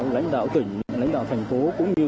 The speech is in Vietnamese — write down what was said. lãnh đạo tỉnh lãnh đạo thành phố